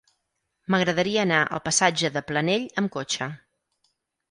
M'agradaria anar al passatge de Planell amb cotxe.